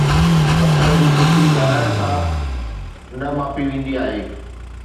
پٿر جي خوشي ڳالھائڻ سان نه ماپي ويندي آهي